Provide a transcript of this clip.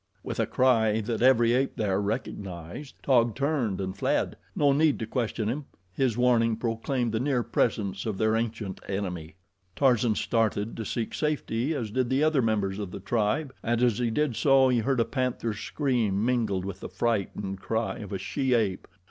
With a cry that every ape there recognized, Taug turned and fled. No need to question him his warning proclaimed the near presence of their ancient enemy. Tarzan started to seek safety, as did the other members of the tribe, and as he did so he heard a panther's scream mingled with the frightened cry of a she ape.